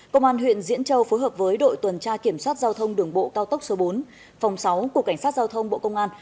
công an huyện diễn châu phối hợp với đội tuần tra kiểm soát giao thông đường bộ cao tốc số bốn phòng sáu của cảnh sát giao thông bộ công an